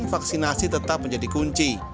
vaksinasi tetap menjadi kunci